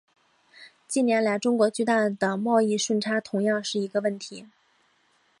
近年来中国巨大的贸易顺差同样是一个问题。